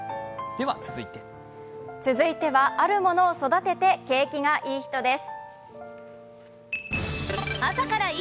続いては、あるものを育てて景気がイイ人です。